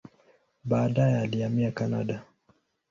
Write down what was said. Baadaye alihamia Kanada.